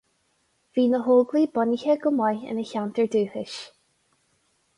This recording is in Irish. Bhí na hÓglaigh bunaithe go maith ina cheantar dúchais.